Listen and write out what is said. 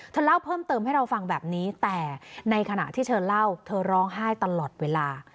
เธอเล่าเพิ่มเติมให้เราฟังแบบนี้แต่ในขณะที่เธอเล่าเธอร้องไห้ตลอดเวลา